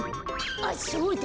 あっそうだ。